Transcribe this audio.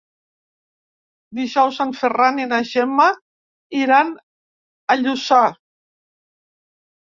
Dijous en Ferran i na Gemma iran a Lluçà.